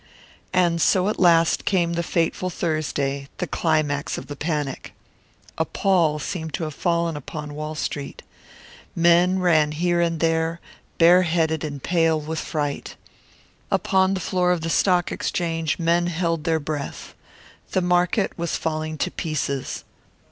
And so at last came the fateful Thursday, the climax of the panic. A pall seemed to have fallen upon Wall Street. Men ran here and there, bareheaded and pale with fright. Upon the floor of the Stock Exchange men held their breath. The market was falling to pieces.